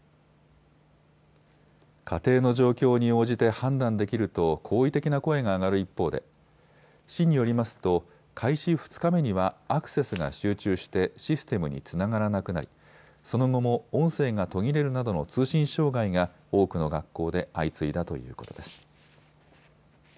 家庭の状況に応じて判断できると好意的な声が上がる一方で市によりますと開始２日目にはアクセスが集中してシステムにつながらなくなりその後も音声が途切れるなどの通信障害が多くの学校で相次いだということです。